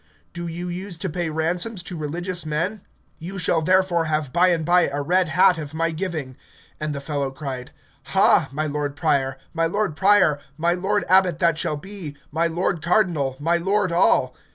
do you use to pay ransoms to religious men? You shall therefore have by and by a red hat of my giving. And the fellow cried, Ha, my lord prior, my lord prior, my lord abbot that shall be, my lord cardinal, my lord all!